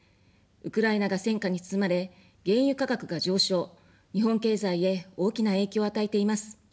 ウクライナが戦火に包まれ、原油価格が上昇、日本経済へ大きな影響を与えています。